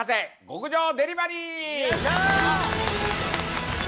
極上デリバリー』